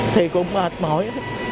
thì cũng mệt mỏi